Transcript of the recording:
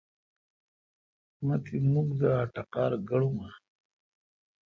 مہ تی مکھ دا اٹقار گڑومہ۔